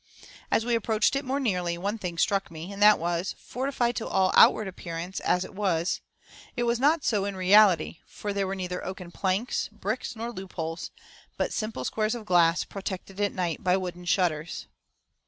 As we approached it more nearly, one thing struck me, and that was, fortified to all outward appearance as it was, it was not so in reality, for there were neither oaken planks, bricks, nor loop holes, but simple squares of glass, protected at night by wooden shutters.